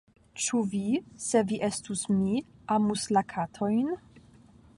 Ĉu vi, se vi estus mi, amus la katojn?